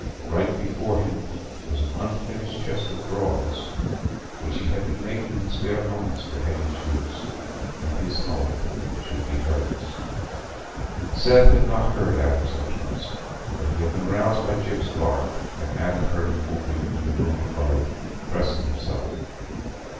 Right before him was an unfinished chest of drawers, which he had been making in spare moments for Hetty's use, when his home should be hers. Seth had not heard Adam's entrance, but he had been roused by Gyp's bark, and Adam heard him moving about in the room above, dressing himself.